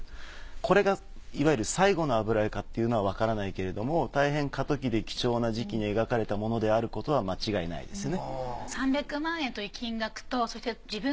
これがいわゆる最後の油絵かっていうのはわからないけれどもたいへん過渡期で貴重な時期に描かれたものであることは間違いないですね。